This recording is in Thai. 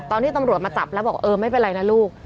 ตอนที่ตำรวจมาจับแล้วบอกเออไม่เป็นไรนะลูก